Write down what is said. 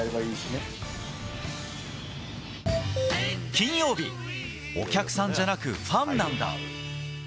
金曜日「お客さんじゃなくファンなんだ」。